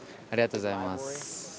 ありがとうございます。